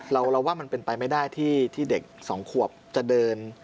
เราว่ามันเป็นไปไม่ได้ที่เด็กสองขวบจะเดิน